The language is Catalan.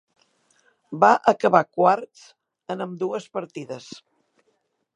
Va acabar quarts en ambdues partides.